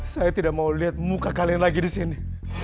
saya tidak mau lihat muka kalian lagi disini